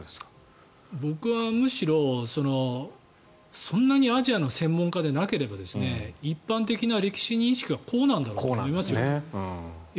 僕はむしろそんなにアジアの専門家でなければ一般的な歴史認識はこうなんだろうと思いますよ。